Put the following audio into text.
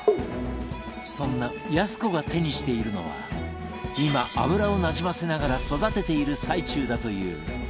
そんなやす子が手にしているのは今油をなじませながら育てている最中だという鉄製フライパン